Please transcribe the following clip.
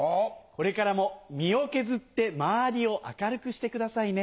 これからも身を削って周りを明るくしてくださいね。